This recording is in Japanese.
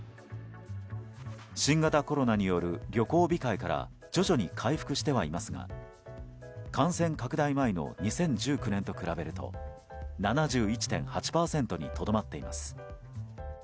新型コロナによる旅行控えから徐々に回復してはいますが感染拡大前の２０１９年と比べると７１．８％にとどまっています。